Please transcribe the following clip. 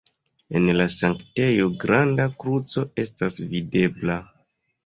En la sanktejo granda kruco estas videbla.